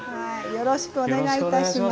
よろしくお願いします。